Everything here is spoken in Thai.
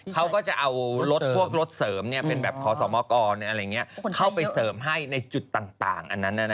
เขาก็จะเอารถเสริมเป็นขอสอบมอกรเข้าไปเสริมให้ในจุดต่าง